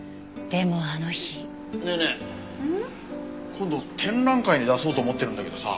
今度展覧会に出そうと思ってるんだけどさ。